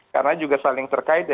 karena juga saling terkait ya